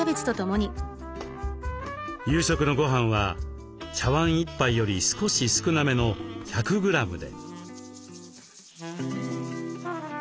夕食のごはんは茶わん１杯より少し少なめの１００グラムで。